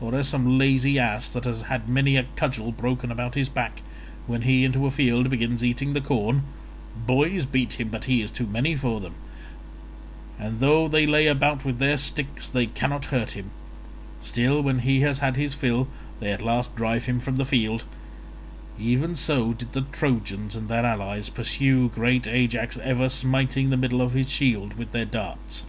Or as some lazy ass that has had many a cudgel broken about his back, when he into a field begins eating the corn—boys beat him but he is too many for them, and though they lay about with their sticks they cannot hurt him; still when he has had his fill they at last drive him from the field—even so did the Trojans and their allies pursue great Ajax, ever smiting the middle of his shield with their darts.